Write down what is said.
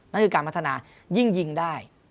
นั่นคือการพัฒนายิ่งยิงได้